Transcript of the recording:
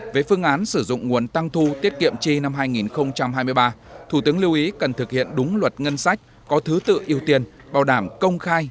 với phương án sử dụng nguồn tăng thu tiết kiệm chi năm hai nghìn hai mươi ba thủ tướng lưu ý cần thực hiện đúng luật ngân sách có thứ tự ưu tiên bảo đảm công khai